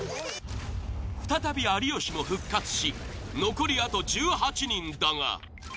再び有吉も復活し残りあと１８人だが。